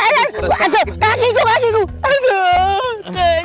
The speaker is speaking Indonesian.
aduh kaki gue kaki gue